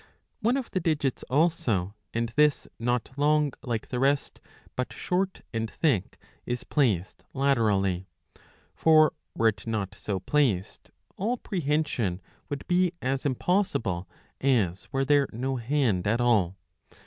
One of the digits also, and this not long like the rest but short and thick, is placed laterally. For were it not so placed all prehension would be as impossible, as were there no hand at all.